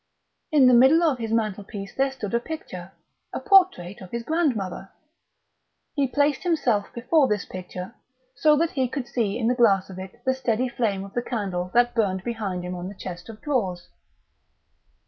In the middle of his mantelpiece there stood a picture, a portrait of his grandmother; he placed himself before this picture, so that he could see in the glass of it the steady flame of the candle that burned behind him on the chest of drawers.